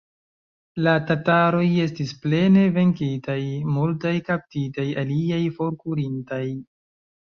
La tataroj estis plene venkitaj, multaj kaptitaj, aliaj forkurintaj.